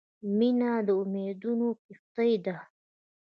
• مینه د امیدونو کښتۍ ده.